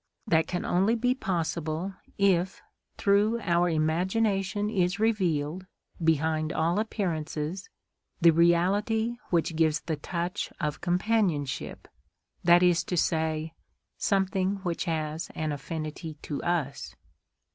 That can only be possible if through our imagination is revealed, behind all appearances, the reality which gives the touch of companionship, that is to say, something which has an affinity to us.